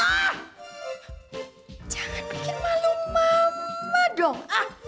jangan bikin malu mama dong